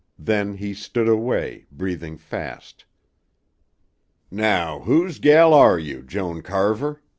Then he stood away, breathing fast. "Now whose gel are you, Joan Carver?"